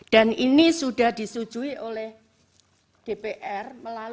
ini sudah disetujui oleh dpr